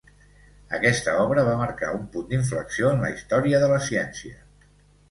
Aquesta obra va marcar un punt d'inflexió en la història de la ciència.